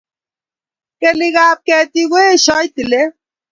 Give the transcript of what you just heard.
kelikap ketik koeshoi tilet